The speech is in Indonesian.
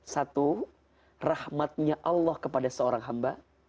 satu rahmatnya allah kepada seorang hamba